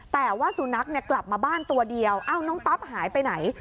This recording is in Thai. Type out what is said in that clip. แต่ว่าสุนัขกลับมาบ้านตัวเดียวเอ้าน้องปั๊บหายไปไหน